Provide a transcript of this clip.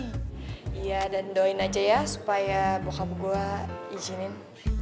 iya dan doain aja ya supaya bokap gue izinin